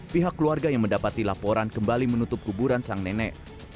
pihak keluarga yang mendapati laporan kembali menutup kuburan sang nenek